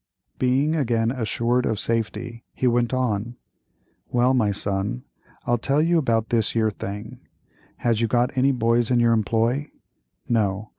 Being again assured of safety, he went on: "Well, my son, I'll tell you 'bout this yer thing. Has you got any boys in yer employ? No.